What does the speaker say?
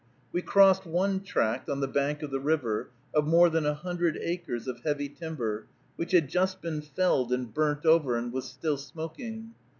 We crossed one tract, on the bank of the river, of more than a hundred acres of heavy timber, which had just been felled and burnt over, and was still smoking.